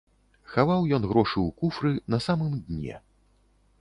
Хаваў ён грошы ў куфры на самым дне.